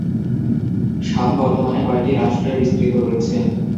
শাম বর্তমানে কয়েকটি রাষ্ট্রে বিস্তৃত রয়েছে।